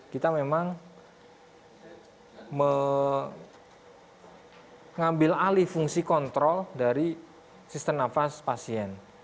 kita memang mengambil alih fungsi kontrol dari sistem nafas pasien